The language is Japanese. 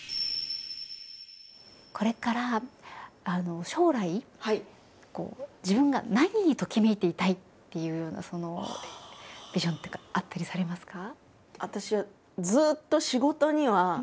これから将来自分が何にときめいていたいっていうようなそのビジョンっていうかあったりされますか？